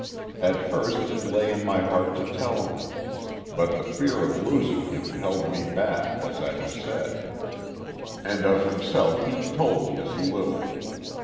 At first it lay in my heart to tell him. But the fear of losing him held me back, as I have said. And of himself he told me as little.